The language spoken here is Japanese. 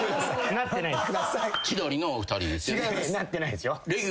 なってないですよ。